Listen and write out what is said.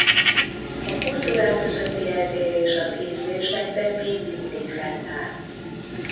A kultúrák közötti eltérés az ízlésekben még mindig fennáll.